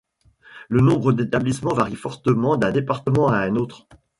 Le nombre d'établissement varie fortement d'un département à un autre.